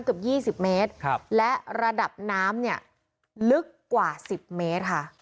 เกือบยี่สิบเมตรครับและระดับน้ำเนี่ยลึกกว่าสิบเมตรค่ะ